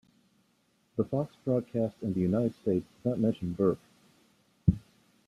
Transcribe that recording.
The Fox broadcast in the United States did not mention Burke.